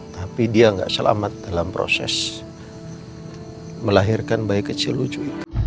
tapi dia tidak selamat dalam proses melahirkan bayi kecil lucu